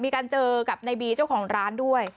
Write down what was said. เจอกับในบีเจ้าของร้านด้วย